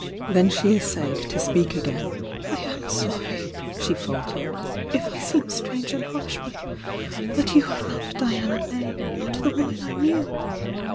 Then she essayed to speak again. "I am sorry," she faltered— "if I seem strange and harsh— but— but you are not Diana May— not the woman I knew!